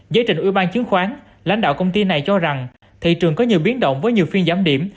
giới trình ủy ban chứng khoán lãnh đạo công ty này cho rằng thị trường có nhiều biến động với nhiều phiên giám điểm